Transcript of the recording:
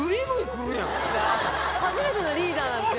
初めてのリーダーなんですよ